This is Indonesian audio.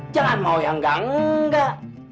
jangan mau yang enggak enggak